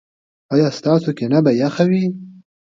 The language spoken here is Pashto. ایا ستاسو کینه به یخه وي؟